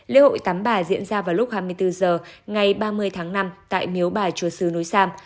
lễ hội tắm bà diễn ra vào lúc hai mươi bốn h ngày ba mươi tháng năm tại miếu bà chùa sứ núi sam